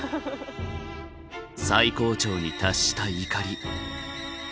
最高潮に達した怒り。